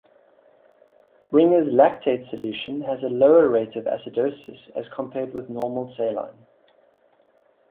Ringer's lactate solution has a lower rate of acidosis as compared with normal saline.